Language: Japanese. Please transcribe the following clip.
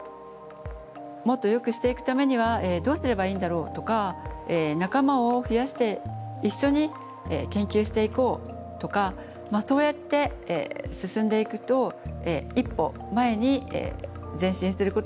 もっとよくしていくためにはどうすればいいんだろうとか仲間を増やして一緒に研究していこうとかそうやって進んでいくと一歩前に前進することができると思います。